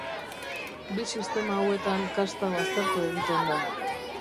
Bi sistema hauetan kasta baztertu egiten da.